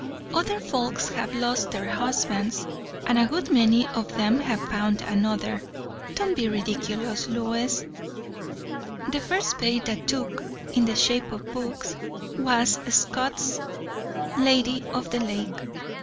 "Other folks have lost their husbands, and a good many of 'em have found another. Don't be ridiculous, Lois!" The first bait that took, in the shape of books, was Scott's "Lady of the Lake."